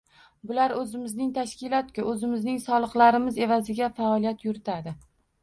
Bular o‘zimizning tashkilot-ku, o‘zimizning soliqlarimiz evaziga faoliyat yuritadi